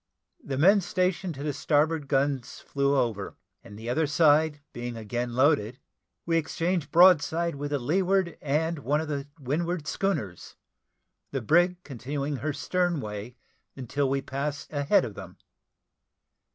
The men stationed to the starboard guns flew over, and the other side being again loaded, we exchanged broadsides with the leeward and one of the windward schooners, the brig continuing her stern way until we passed a head of them.